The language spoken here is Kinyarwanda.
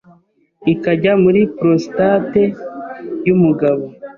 ikajya muri prostate yumugabo